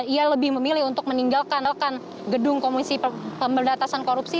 ia lebih memilih untuk meninggalkan rekan gedung komisi pemberantasan korupsi